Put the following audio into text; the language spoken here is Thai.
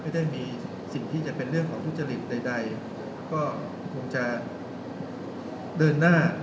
ไม่ได้มีสิ่งที่จะเป็นเรื่องของทุจริตใดก็คงจะเดินหน้า